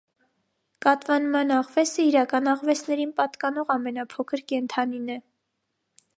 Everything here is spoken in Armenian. Կատվանման աղվեսը իրական աղվեսներին պատկանող ամենափոքր կենդանին է։